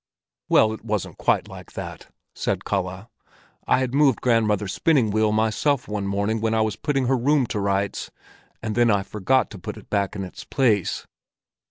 "Well, it wasn't quite like that," said Kalle. "I had moved grandmother's spinning wheel myself one morning when I was putting her room to rights, and then I forgot to put it back in its place.